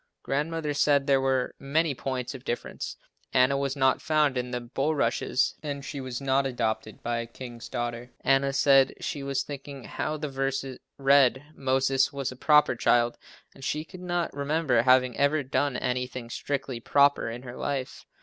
Grandmother said there were many points of difference. Anna was not found in the bulrushes and she was not adopted by a king's daughter. Anna said she was thinking how the verse read, "Moses was a proper child," and she could not remember having ever done anything strictly "proper" in her life.